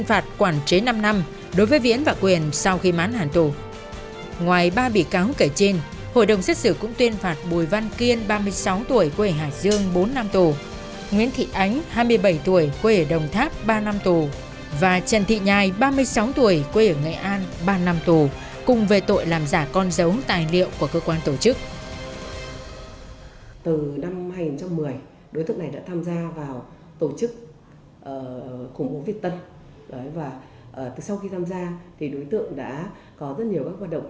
và trần thị nhai ba mươi sáu tuổi quê ở nghệ an ba năm tù cùng về tội làm giả con giấu tài liệu của cơ quan tổ chức